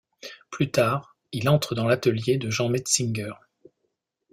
Plus tard, il entre dans l'atelier de Jean Metzinger.